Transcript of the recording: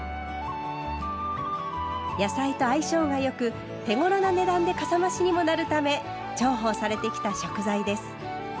野菜と相性が良く手ごろな値段でかさ増しにもなるため重宝されてきた食材です。